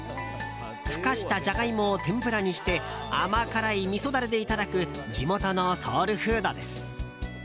ふかしたジャガイモを天ぷらにして甘辛いみそダレでいただく地元のソウルフードです。